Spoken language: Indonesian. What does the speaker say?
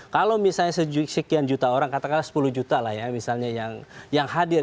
kalau misalnya sekian juta orang katakanlah sepuluh juta lah ya misalnya yang hadir